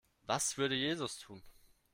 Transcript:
Was würde Jesus tun?